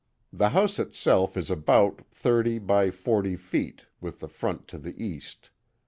The house it self is about thirty by forty feet with the front to the east.